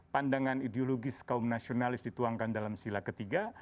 pandangan ideologis kaum nasionalis dituangkan dalam sila ketiga